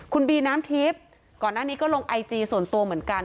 คุณบีน้ำทิพย์ก่อนหน้านี้ก็ลงไอจีส่วนตัวเหมือนกัน